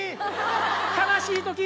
悲しい時。